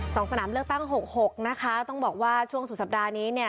สนามเลือกตั้งหกหกนะคะต้องบอกว่าช่วงสุดสัปดาห์นี้เนี่ย